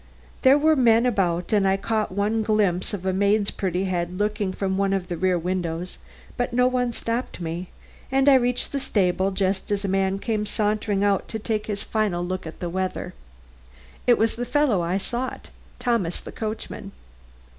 There were men about and I caught one glimpse of a maid's pretty head looking from one of the rear windows, but no one stopped me, and I reached the stable just as a man came sauntering out to take his final look at the weather. It was the fellow I sought, Thomas the coachman.